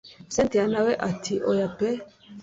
cyntia nawe ati oya pe